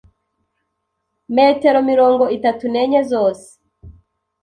metero mirongo itatu n’enye zose